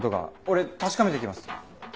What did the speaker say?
俺確かめてきます。